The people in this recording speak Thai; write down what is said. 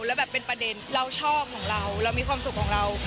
แล้วแบบเป็นประเด็นเราชอบของเราเรามีความสุขของเรา